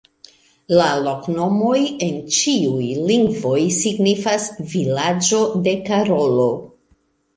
La loknomoj en ĉiuj lingvoj signifas: "Vilaĝo de Karolo".